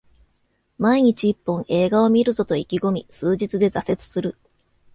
毎日一本、映画を観るぞと意気込み数日で挫折する